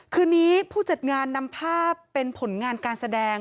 คืนนี้ผู้จัดงานนำภาพเป็นผลงานการแสดง